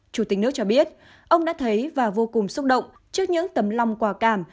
chủ tịch nước cho biết ông đã thấy và vô cùng xúc động trước những tấm lòng quả cảm